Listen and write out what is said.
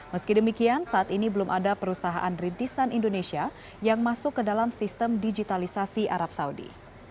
meski demikian saat ini belum ada perusahaan rintisan indonesia yang masuk ke dalam sistem digitalisasi arab saudi